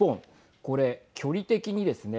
これ距離的にですね